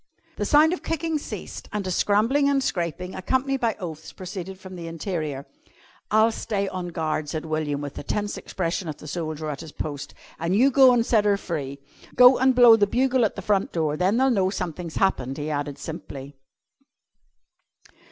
The sound of kicking ceased and a scrambling and scraping, accompanied by oaths, proceeded from the interior. "I'll stay on guard," said William with the tense expression of the soldier at his post, "an' you go an' set her free. Go an' blow the bugle at the front door, then they'll know something's happened," he added simply.